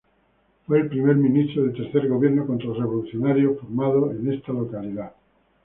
Fue el primer ministro del tercer Gobierno contrarrevolucionario formado en esta localidad.